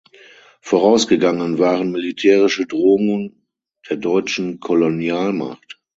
Vorausgegangen waren militärische Drohungen der deutschen Kolonialmacht.